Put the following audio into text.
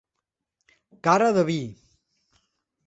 Cara de vi.